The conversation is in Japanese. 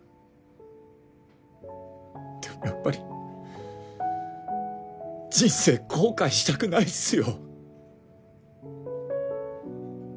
でもやっぱり人生後悔したくないっすよ。